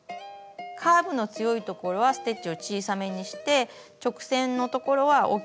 カーブの強いところはステッチを小さめにして直線のところは大きめにしてもいいですね。